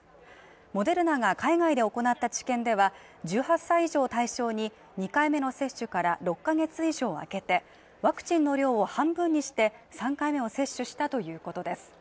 モデルナが海外で行った治験では、１８歳以上を対象に２回目の接種から６カ月以上空けてワクチンの量を半分にして３回目を接種したということです。